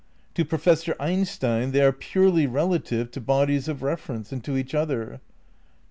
To Professor Einstein they are purely relative to bodies of reference and to each other. To M.